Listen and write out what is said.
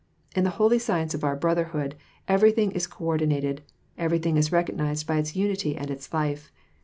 In the holy science of our Brotherhood, everything is co ordinated, everything is recognized by its unity and its life.